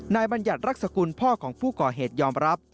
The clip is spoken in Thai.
บัญญัติรักษกุลพ่อของผู้ก่อเหตุยอมรับ